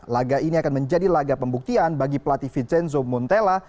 laga ini akan menjadi laga pembuktian bagi pelatih vizenzo montella